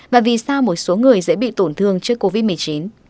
và vì sao một số người dễ bị tổn thương trước covid một mươi chín